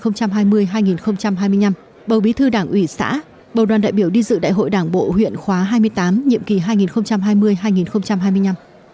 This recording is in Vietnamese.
bầu bí thư đảng ủy xã bầu đoàn đại biểu đi dự đại hội đảng bộ huyện khóa hai mươi tám nhiệm kỳ hai nghìn hai mươi hai nghìn hai mươi năm